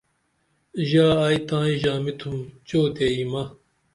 ژا ائی تائیں ژامی تھوم چوتے یمہ